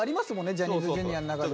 ジャニーズＪｒ．の中でも。